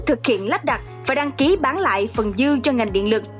thực hiện lắp đặt và đăng ký bán lại phần dư cho ngành điện lực